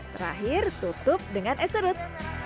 terakhir tutup dengan es serut